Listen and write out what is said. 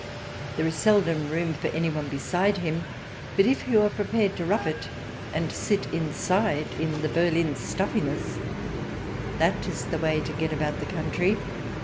There is seldom room for anyone beside him. But if you are prepared to rough it and sit inside, in the berline's stuffiness, that is the way to get about the country.